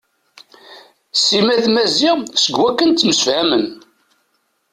Sima d Maziɣ seg wakken ttemsefhamen.